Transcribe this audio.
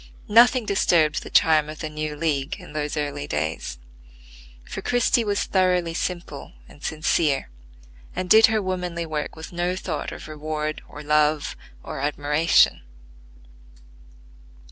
Nothing disturbed the charm of the new league in those early days; for Christie was thoroughly simple and sincere, and did her womanly work with no thought of reward or love or admiration.